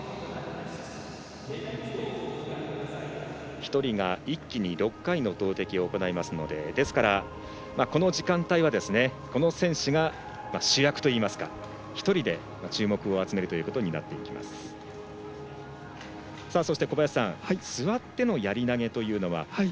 １人が一気に６回の投てきを行いますのでですから、この時間帯はこの選手が主役といいますか、１人で注目を集めるということになっていきます。